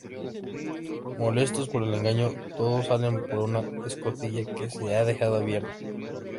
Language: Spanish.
Molestos por el engaño, todos salen por una escotilla que se ha dejado abierta.